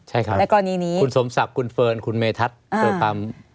ใช่ครับคุณสมศัพท์คุณเฟิร์นคุณเมธัศน์โดยความโดยความ